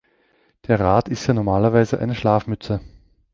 Der Rat ist ja normalerweise eine Schlafmütze.